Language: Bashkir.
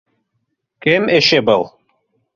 - Кем эше был?!